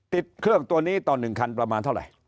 ติดเครื่องตัวนี้ต่อ๑คันประมาณเท่าไหร่